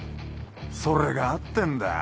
それが合ってんだよ。